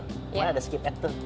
pokoknya ada skip at the